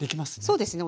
そうですね。